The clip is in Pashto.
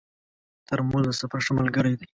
ترموز د سفر ښه ملګری دی.